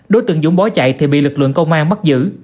đối tượng dũng bỏ chạy thì bị lực lượng công an bắt giữ